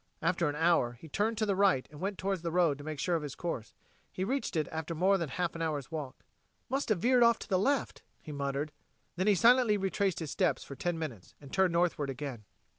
After an hour, he turned to the right and went towards the road to make sure of his course. He reached it after more than a half hour's walk. "Must have veered off to the left," he muttered; then he silently retraced his steps for ten minutes, and turned northward again.